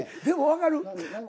でもわかる。